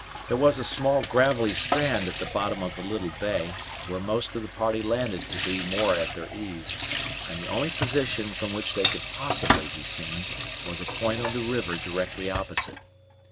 There was a small gravelly strand at the bottom of the little bay, where most of the party landed to be more at their ease, and the only position from which they could possibly be seen was a point on the river directly opposite.